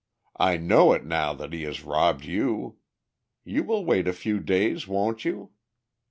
I know it now that he has robbed you. You will wait a few days, won't you?"